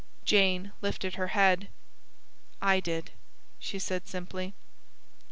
Jane lifted her head. "I did," she said simply.